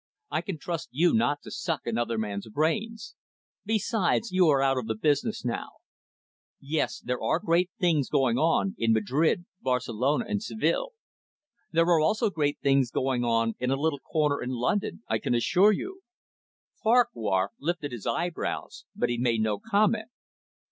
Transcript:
I can trust you not to suck another man's brains. Besides, you are out of the business now. Yes, there are great things going on, in Madrid, Barcelona and Seville. There are also great things going on in a little corner in London, I can assure you." Farquhar lifted his eyebrows, but he made no comment.